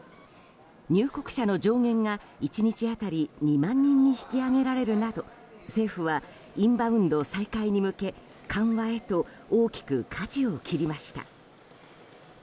入国者の上限が１日当たり２万人に引き上げられるなど政府はインバウンド再開に向け緩和へと大きくかじを切りました。